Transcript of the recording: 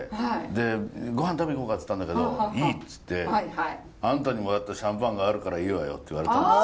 ごはん食べに行こうかって言ったんだけどいいっつってあんたにもらったシャンパンがあるからいいわよって言われたんですよ。